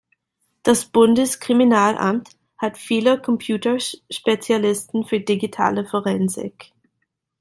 Das Bundeskriminalamt hat viele Computerspezialisten für digitale Forensik.